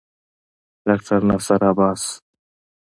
ډاکټر ناصر عباس